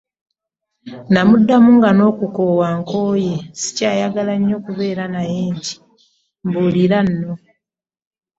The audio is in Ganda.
Namuddamu nga n'okukoowa nkooye sikyayagala nnyo kubeera naye nti, "mbuulira nno"